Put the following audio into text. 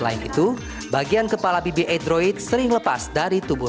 jangan lupa kita bisa menggunakan tenaga elektronik untuk menghasilkan penyelesaian tersebut